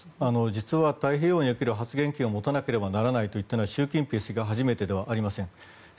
実は太平洋における発言権を持たなければならないと言ったのは習近平氏が初めてではありません。